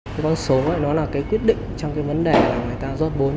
theo người sáng lập dự án mạng xã hội hiến máu reason solution